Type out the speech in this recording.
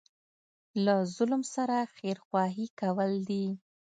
له ظالم سره خیرخواهي کول دي.